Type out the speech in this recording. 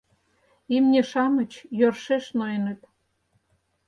Имне-шамыч йӧршеш ноеныт.